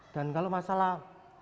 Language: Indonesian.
dan kalau masalah